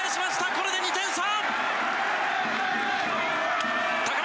これで２点差！